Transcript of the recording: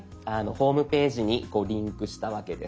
ホームページにリンクしたわけです。